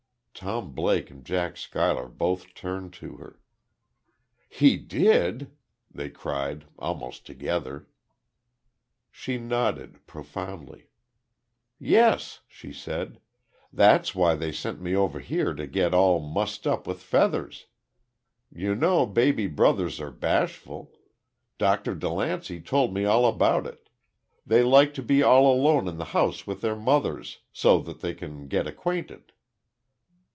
Tom Blake and Jack Schuyler both turned to her. "He did!" they cried almost together. She nodded, profoundly. "Yes," she said. "That's why they sent me over here to get all mussed up with feathers. You know baby brothers are bashful. Dr. DeLancey told me all about it. They like to be all alone in the house with their mothers, so that they can get acquainted."